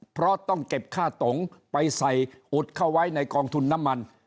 เพราะต้องเก็บค่าตงไปใส่อุดเข้าไว้ในกองทุนน้ำมัน